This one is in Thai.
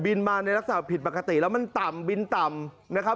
มาในลักษณะผิดปกติแล้วมันต่ำบินต่ำนะครับ